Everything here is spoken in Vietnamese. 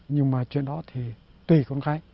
nhưng mà chuyện đó thì tùy con cái